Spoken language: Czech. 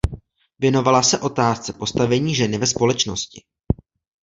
Věnovala se otázce postavení ženy ve společnosti.